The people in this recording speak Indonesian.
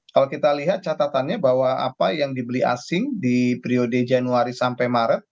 kalau kita lihat catatannya bahwa apa yang dibeli asing di periode januari sampai maret